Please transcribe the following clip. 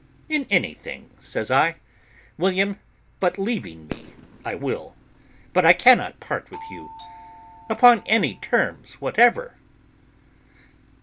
"In anything," says I, "William, but leaving me, I will; but I cannot part with you upon any terms whatever."